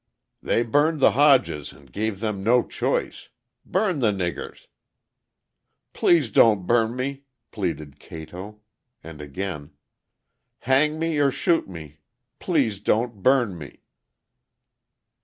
"They burned the Hodges and gave them no choice; burn the niggers!" "Please don't burn me," pleaded Cato. And again: "Hang me or shoot me; please don't burn me!"